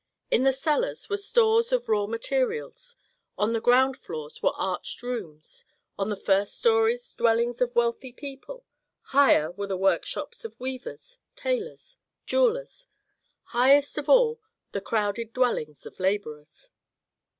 In the cellars were stores of raw materials; on the ground floors were arched rooms; on the first stories dwellings of wealthy people; higher were the workshops of weavers, tailors, jewellers; highest of all, the crowded dwellings of laborers.